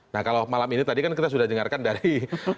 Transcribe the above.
nah kalau malam ini tadi kan kita sudah dengarkan dari